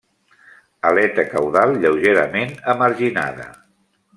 Aleta caudal lleugerament emarginada.